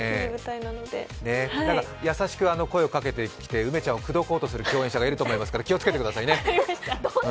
優しく声をかけてきて梅ちゃんをくどこうとする共演者がいるかもしれないので気をつけてくださいね。